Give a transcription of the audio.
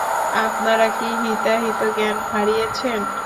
আপনারা কি হিতাহিতজ্ঞান হারিয়েছেন?